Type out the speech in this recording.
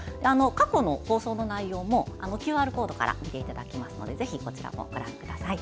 過去の放送の内容もＱＲコードから見ていただけますのでぜひこちらもご覧ください。